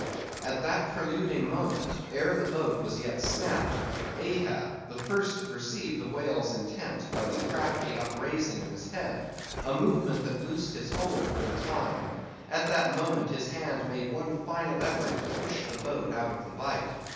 At that preluding moment, ere the boat was yet snapped, Ahab, the first to perceive the whale's intent, by the crafty upraising of his head, a movement that loosed his hold for the time; at that moment his hand had made one final effort to push the boat out of the bite.